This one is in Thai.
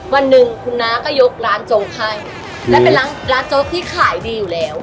วันหนึ่งคุณน้าก็ยกร้านโจ๊กให้และเป็นร้านร้านโจ๊กที่ขายดีอยู่แล้ว